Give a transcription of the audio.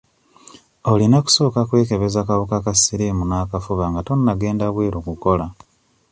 Olina kusooka kwekebeza kawuka ka siriimu n'akafuba nga tonnagenda bweru kukola.